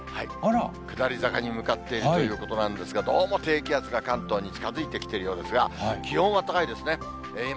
下り坂に向かっているということなんですが、どうも低気圧が関東に近づいてきているようですが、気温は高いですね。